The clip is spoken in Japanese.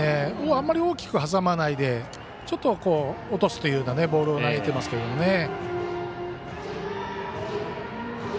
あまり大きく挟まないでちょっと、落とすというボールを投げてますけどね。